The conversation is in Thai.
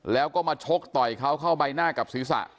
แล้วก็มาชกต่อยเขาเข้าใบหน้ากับศีรษะ